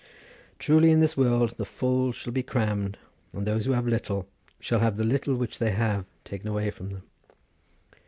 Truly in this world the full shall be crammed, and those who have little, shall have the little which they have taken away from them.